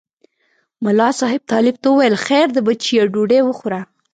ملا صاحب طالب ته وویل خیر دی بچیه ډوډۍ وخوره.